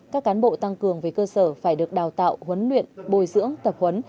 các cán bộ tăng cường về cơ sở phải được đào tạo huấn luyện bồi dưỡng tập huấn